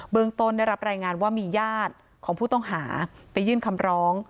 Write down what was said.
ต้นได้รับรายงานว่ามีญาติของผู้ต้องหาไปยื่นคำร้อง